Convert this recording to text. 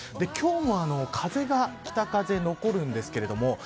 今日も風が北風残るんですけれども。